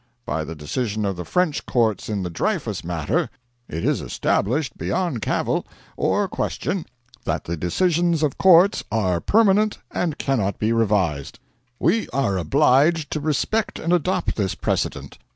By the decision of the French courts in the Dreyfus matter, it is established beyond cavil or question that the decisions of courts are permanent and cannot be revised. We are obliged to respect and adopt this precedent.